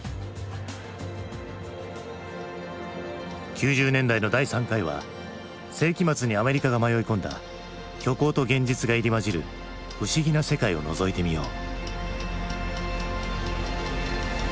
９０年代の第３回は世紀末にアメリカが迷い込んだ虚構と現実が入り交じる不思議な世界をのぞいてみよう。